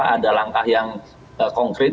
ada langkah yang konkret